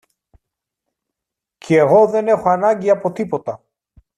κι εγώ δεν έχω ανάγκη από τίποτα.